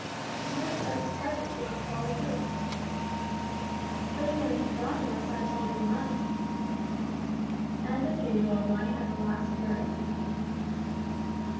"And I expect the sergeant thinks it's all his doing." "But he wouldn't have gone unless I had told him he might." And as usual Roy had the last word.